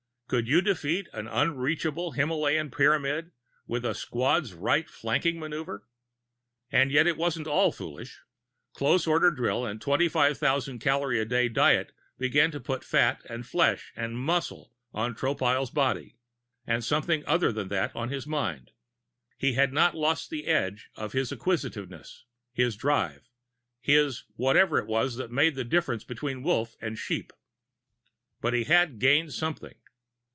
Could you defeat the unreachable Himalayan Pyramid with a squads right flanking maneuver? And yet it wasn't all foolishness. Close order drill and 2500 calorie a day diet began to put fat and flesh and muscle on Tropile's body, and something other than that on his mind. He had not lost the edge of his acquisitiveness, his drive his whatever it was that made the difference between Wolf and sheep. But he had gained something.